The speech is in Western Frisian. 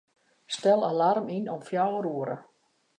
Stel alarm yn om fjouwer oere.